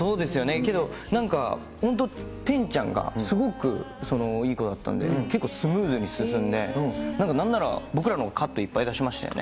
けど、なんか本当、てんちゃんが、すごくいい子だったんで、結構、スムーズに進んで、なんかなんなら、僕らのほうがカットいっぱい出しましたよね。